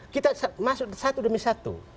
kita masuk satu demi satu